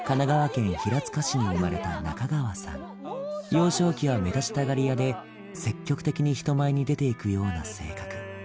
幼少期は目立ちたがり屋で積極的に人前に出ていくような性格